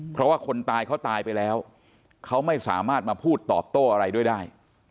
เพราะว่าคนตายเขาตายไปแล้วเขาไม่สามารถมาพูดตอบโต้อะไรด้วยได้